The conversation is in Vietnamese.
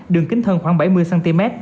đường kính hơn khoảng bảy mươi cm